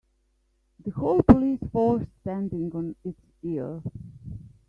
The whole police force standing on it's ear.